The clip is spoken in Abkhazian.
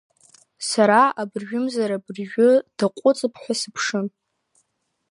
Сара абыржәымзар-абыржәы даҟәыҵып ҳәа сыԥшын.